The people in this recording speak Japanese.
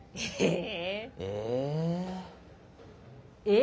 え？